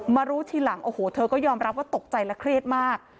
รู้ทีหลังโอ้โหเธอก็ยอมรับว่าตกใจและเครียดมาก